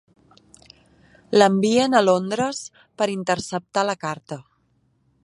L'envien a Londres per interceptar la carta.